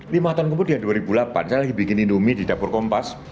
lima tahun kemudian dua ribu delapan saya lagi bikin indomie di dapur kompas